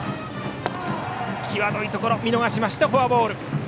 際どいところ見逃してフォアボール。